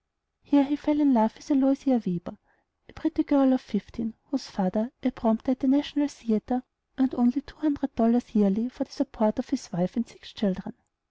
Here he fell in love with Aloysia Weber, a pretty girl of fifteen, whose father, a prompter at the National Theatre, earned only two hundred dollars yearly for the support of his wife and six children.